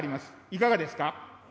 いかがですか。